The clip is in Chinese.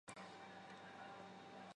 或许天性使然